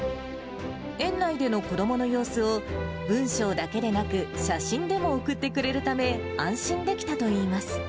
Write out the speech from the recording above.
園内での子どもの様子を、文章だけでなく、写真でも送ってくれるため、安心できたといいます。